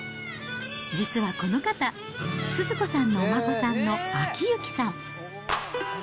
実はこの方、スズ子さんのお孫さんの晶行さん。